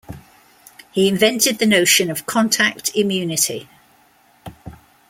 He invented the notion of "contact immunity".